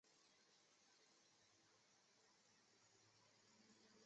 事件发生的原因是澳大利亚悉尼市的西部地区的发展规划。